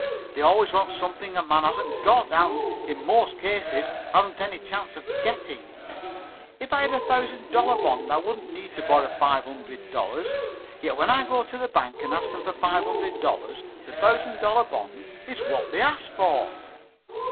They always want something a man hasn't got and, in most cases, hasn't any chance of getting. If I had a thousand dollar bond I wouldn't need to borrow five hundred dollars, yet when I go to the bank and ask for the five hundred the thousand dollar bond is what they ask for."